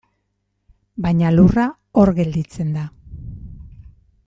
Baina lurra, hor gelditzen da.